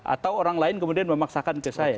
atau orang lain kemudian memaksakan ke saya